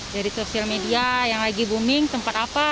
dari sosial media yang lagi booming tempat apa